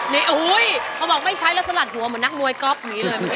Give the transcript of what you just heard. นี่เขาบอกไม่ใช้แล้วสลัดหัวเหมือนนักมวยก๊อฟอย่างนี้เลยเมื่อกี้